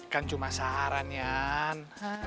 kan cuma saran yan